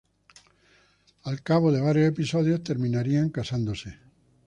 Al cabo de varios episodios terminarían casándose.